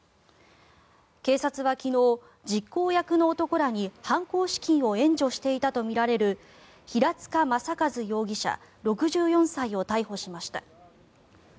警察は昨日、実行役の男らに犯行資金を援助していたとみられる平塚雅一容疑者、６４歳を逮捕しました。